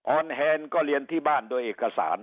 อนแฮนด์ก็เรียนที่บ้านโดยเอกสาร